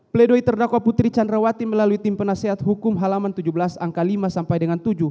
pledoi terdakwa putri candrawati melalui tim penasehat hukum halaman tujuh belas angka lima sampai dengan tujuh